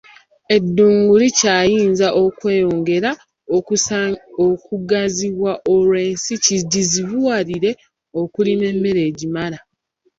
Eddungu likyayinza okweyongera okugaziwa olwo ensi kigizibuwalire okulima emmere egimala